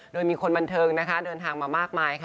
โดยมีคนบันเทิงนะคะเดินทางมามากมายค่ะ